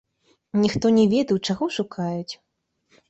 Ніхто не ведаў, чаго шукаюць.